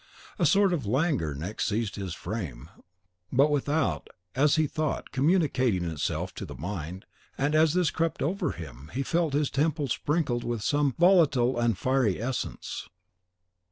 A sort of languor next seized his frame, but without, as he thought, communicating itself to the mind; and as this crept over him, he felt his temples sprinkled with some volatile and fiery essence.